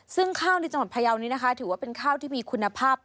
ซึ่งข้าวในจังหวัดพยาวนี้นะคะถือว่าเป็นข้าวที่มีคุณภาพ